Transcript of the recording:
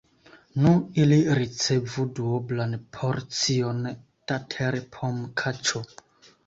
Nu, ili ricevu duoblan porcion da terpomkaĉo.